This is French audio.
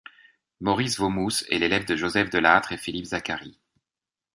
Maurice Vaumousse est l'élève de Joseph Delattre et Philippe Zacharie.